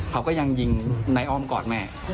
เขาก็ยังยิงนายอ้อมกอดแม่